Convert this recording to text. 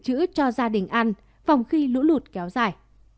chị quy đã được bàn giao cho gia đình ăn phòng khi lũ lụt kéo dài